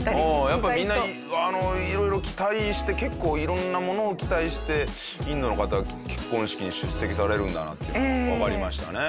やっぱみんな色々期待して結構色んなものを期待してインドの方は結婚式に出席されるんだなってわかりましたね。